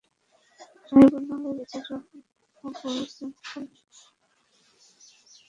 ট্রাইব্যুনালের বিচারক মকবুল আহসান কাল বৃহস্পতিবার সাক্ষ্য গ্রহণের পরবর্তী তারিখ ধার্য করেছেন।